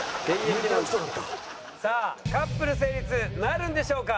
さあカップル成立なるんでしょうか？